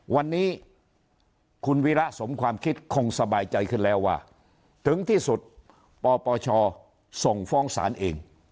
วันนี้คุณวิระสมความคิดคงสบายใจขึ้นแล้วว่าถึงที่สุดปปชส่งฟ้องศาลเอง